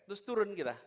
terus turun kita